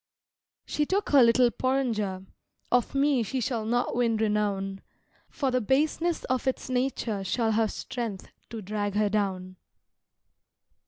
She took her little porringer: Of me she shall not win renown: For the baseness of its nature shall have strength to drag her down.